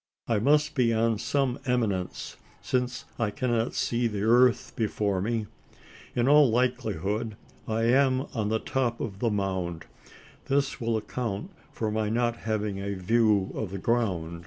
I must be on some eminence: since I cannot see the earth before me? In all likelihood, I am on the top of the mound. This will account for my not having a view of the ground.